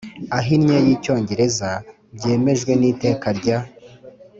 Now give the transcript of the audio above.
ahinnye y Icyongereza byemejwe n iteka rya